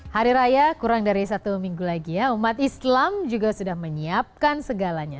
hari raya kurang dari satu minggu lagi ya umat islam juga sudah menyiapkan segalanya